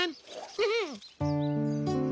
うん？